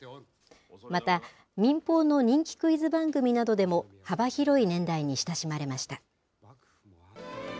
また、民放の人気クイズ番組などでも幅広い年代に親しまれました。